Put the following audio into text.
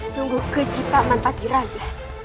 sungguh keji pak man patir raya